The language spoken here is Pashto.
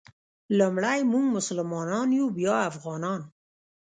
لومړی مونږ مسلمانان یو بیا افغانان.